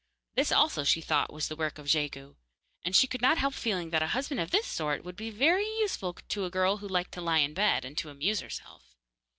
This, also, she thought was the work of Jegu, and she could not help feeling that a husband of this sort would be very useful to a girl who liked to lie in bed and to amuse herself.